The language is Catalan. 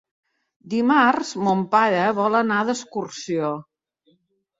Dimarts mon pare vol anar d'excursió.